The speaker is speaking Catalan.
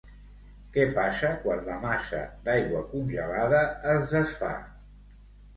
Què passa quan la massa d'aigua congelada es desfà?